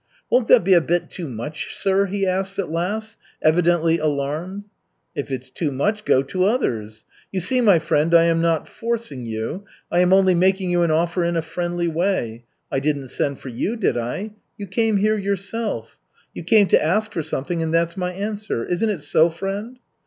"Won't that be a bit too much, sir?" he says at last, evidently alarmed. "If it's too much, go to others. You see, my friend, I am not forcing you, I am only making you an offer in a friendly way. I didn't send for you, did I? You came here yourself. You came to ask for something and that's my answer. Isn't it so, friend?"